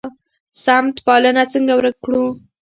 سمت پالنه څنګه ورک کړو؟